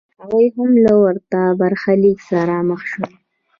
هغوی هم له ورته برخلیک سره مخ شول